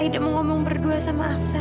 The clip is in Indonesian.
aida mau ngomong berdua sama aku san